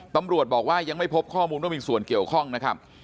ตำรวจบอกว่ายังไม่พบข้อมูลว่ามีส่วนเกี่ยวข้องนะครับ